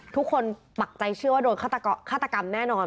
ปักใจเชื่อว่าโดนฆาตกรรมแน่นอน